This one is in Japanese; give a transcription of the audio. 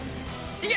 いけ！